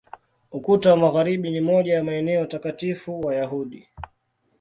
Ukuta wa Magharibi ni moja ya maeneo takatifu Wayahudi.